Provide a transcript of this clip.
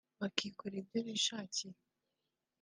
bakikorera ibyo bishakiye